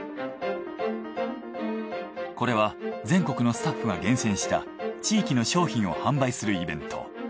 これは全国のスタッフが厳選した地域の商品を販売するイベント。